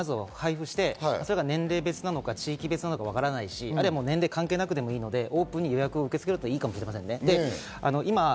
全国にまず配布して、年齢別なのか地域別なのかわからないし、年齢関係なくでもいいのでオープンに予約を受け付けるでいいかもしれません。